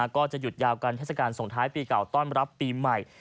ก็จะหยุดยาวกันเทศกาลส่งท้ายปีเก่าต้อนรับปีใหม่